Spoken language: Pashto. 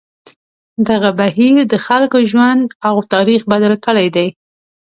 دغه بهیر د خلکو ژوند او تاریخ بدل کړی دی.